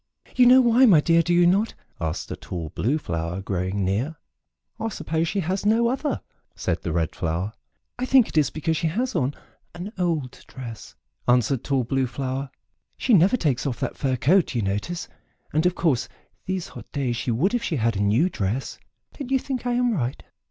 "You know why, my dear, do you not?" asked a tall Blue Flower growing near. "I suppose she has no other," said the Red Flower. "I think it is because she has on an old dress," answered tall Blue Flower; "she never takes off that fur coat, you notice, and, of course, these hot days she would if she had a new dress. Don't you think I am right?"